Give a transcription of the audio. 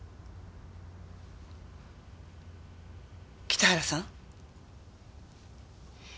北原さん？